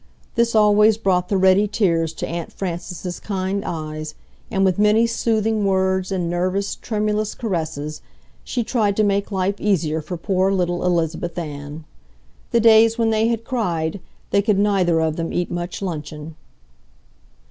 This always brought the ready tears to Aunt Frances's kind eyes, and with many soothing words and nervous, tremulous caresses she tried to make life easier for poor little Elizabeth Ann. The days when they had cried they could neither of them eat much luncheon.